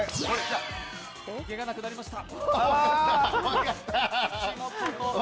毛がなくなりました。